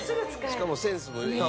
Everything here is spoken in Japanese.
しかもセンスのいい。